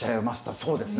そうですね。